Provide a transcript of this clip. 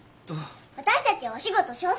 私たちはお仕事調査隊です。